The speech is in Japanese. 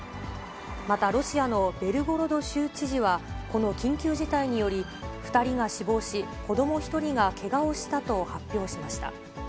またロシアのベルゴロド州知事は、この緊急事態により、２人が死亡し、子ども１人がけがをしたと発表しました。